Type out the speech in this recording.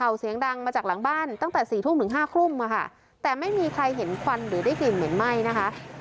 เสียงดังมาจากหลังบ้านตั้งแต่สี่ทุ่มถึงห้าทุ่มอ่ะค่ะแต่ไม่มีใครเห็นควันหรือได้กลิ่นเหม็นไหม้นะคะ